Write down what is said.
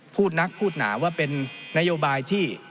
พูดนักพูดหนาว่าเป็นนโยบายที่